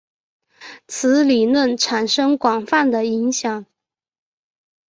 此理论产生广泛的影响。